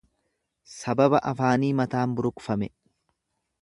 Sababa afaanii, mataan buruqfame.